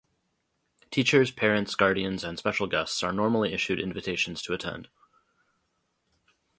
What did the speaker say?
Teachers, parents, guardians and special guests are normally issued invitations to attend.